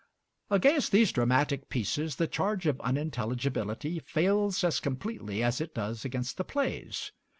Against these dramatic pieces the charge of unintelligibility fails as completely as it does against the plays.